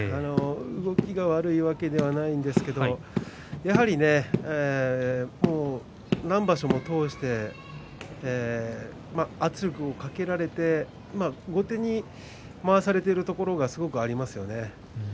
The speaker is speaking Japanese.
動きが悪いわけではないんですけどやはり何場所も通して圧力をかけられて後手に回されているところがすごくありますよね。